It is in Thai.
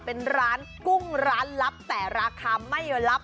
เป็นร้านกุ้งร้านลับแต่ราคาไม่รับ